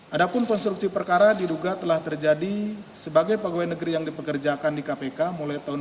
ada pun konstruksi perkara diduga telah terjadi sebagai pegawai negeri yang dipekerjakan di kpk mulai tahun dua ribu dua